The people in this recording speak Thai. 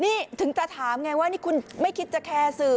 นี่ถึงจะถามไงว่านี่คุณไม่คิดจะแคร์สื่อ